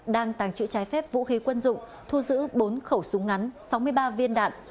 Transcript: đang tàng trữ trái phép vũ khí quân dụng thu giữ bốn khẩu súng ngắn sáu mươi ba viên đạn